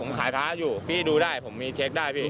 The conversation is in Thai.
ผมขายพระอยู่พี่ดูได้ผมมีเช็คได้พี่